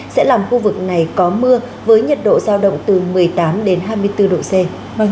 sẽ làm khu vực này có mưa với nhiệt độ giao động từ một mươi tám đến hai mươi bốn độ c